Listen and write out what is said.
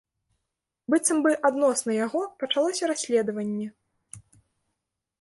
Быццам бы адносна яго пачалося расследаванне.